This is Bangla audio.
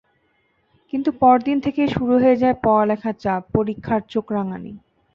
কিন্তু পরদিন থেকেই শুরু হয়ে যায় পড়ালেখার চাপ, পরীক্ষার চোখ রাঙানি।